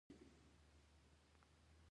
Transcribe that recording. د هلمند په ګرمسیر کې د سمنټو مواد شته.